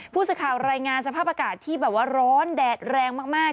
ผู้สื่อข่าวรายงานสภาพอากาศที่แบบว่าร้อนแดดแรงมาก